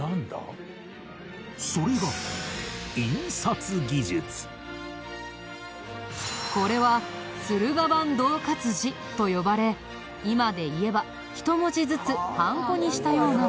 それがこれは駿河版銅活字と呼ばれ今でいえば１文字ずつハンコにしたようなもの。